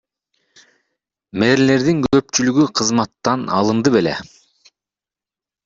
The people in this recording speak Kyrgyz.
Мэрлердин көпчүлүгү кызматтан алынды беле?